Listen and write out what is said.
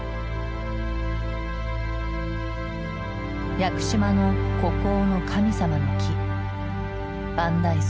屋久島の孤高の神様の木万代杉。